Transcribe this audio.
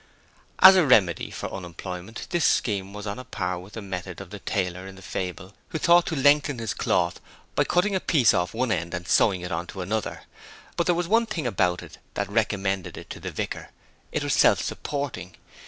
As a remedy for unemployment this scheme was on a par with the method of the tailor in the fable who thought to lengthen his cloth by cutting a piece off one end and sewing it on to the other; but there was one thing about it that recommended it to the Vicar it was self supporting.